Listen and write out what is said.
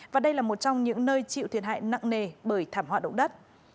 và đây là một trong những nơi chịu thiệt hại nặng nề bởi thảm họa động đất